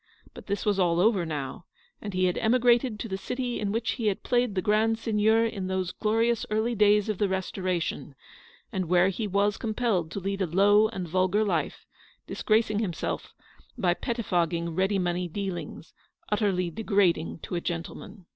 But this was all over now, and he had emigrated to the city in which he had played the Grand Seigneur in those glorious early days of the Restoration, and where he was compelled to lead a low and vulgar life, disgracing himself by petti fogging ready money dealings, utterly degrading to a gentleman.